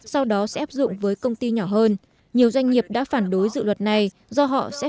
sau đó sẽ áp dụng với công ty nhỏ hơn nhiều doanh nghiệp đã phản đối dự luật này do họ sẽ